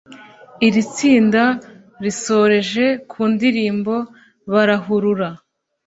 Iri tsinda risoreje ku ndirimbo ’Barahurura’